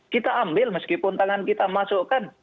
kita ambil meskipun tangan kita masukkan